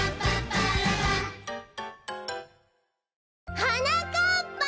・はなかっぱ！